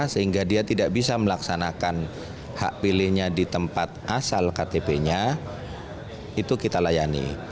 sehingga dia tidak bisa melaksanakan hak pilihnya di tempat asal ktp nya itu kita layani